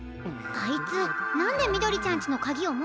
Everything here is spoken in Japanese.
あいつなんでみどりちゃんちのかぎをもってるの？